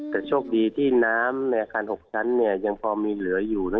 แต่โชคดีที่น้ำในอาคาร๖ชั้นยังพอมีเหลืออยู่